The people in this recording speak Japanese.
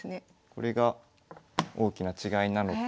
これが大きな違いなのと。